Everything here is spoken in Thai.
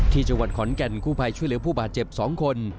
ที่จังหวัดขอนแก่นกู้ภัยช่วยเหลือผู้บาดเจ็บ๒คน